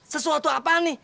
sesuatu apaan nih